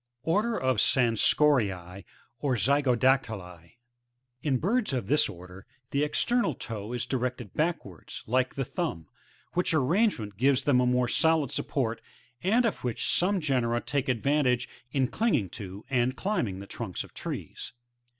ORDER OF SCANSORUB OR ZT€K>DAOTTLJB. 14. In birds of this order the external toe is directed back wards like the thumb, which arrangement gives them a more solid support, and of which some genera take advantage m clinging to, and climbing the trunks of trees.